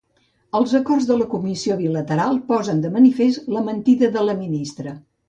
Els acords de la comissió bilateral posen de manifest la mentida de la ministra.